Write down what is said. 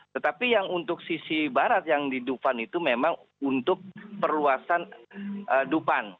tetapi yang untuk sisi barat yang di dufan itu memang untuk perluasan dupan